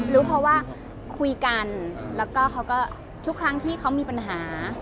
รู้เพราะว่าคุยกันแล้วก็เขาก็ทุกครั้งที่เขามีปัญหา